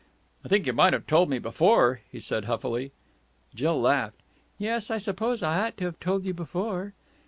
"I think you might have told me before!" he said huffily. Jill laughed. "Yes, I suppose I ought to have told you before."